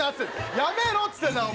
やめろっつってんだ！